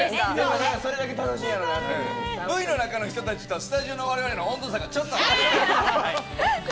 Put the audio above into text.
Ｖの中の人たちとスタジオの我々の温度差がちょっとあります。